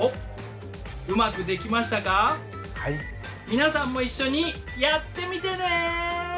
皆さんも一緒にやってみてね。